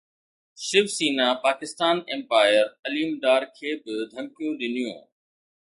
شيو Sena Pakistan umpire Aleem Dar کي به ڌمڪيون ڏنيون